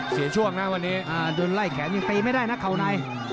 เสียช่วงแล้ววันนี้โดนไล่แข็งยังไปได้นะเข้าใน